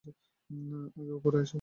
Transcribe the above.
আগে ওপরে এসো।